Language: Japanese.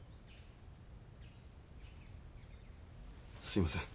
すいません。